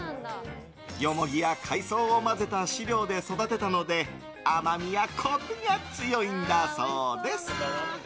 ヨモギや海藻を混ぜた飼料で育てたので甘みやコクが強いんだそうです。